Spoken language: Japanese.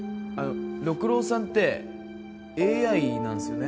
六郎さんってＡＩなんですよね？